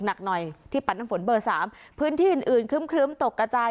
หนักหน่อยที่ปัดน้ำฝนเบอร์๓พื้นที่อื่นอื่นครึ้มตกกระจาย